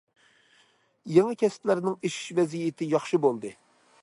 يېڭى كەسىپلەرنىڭ ئېشىش ۋەزىيىتى ياخشى بولدى.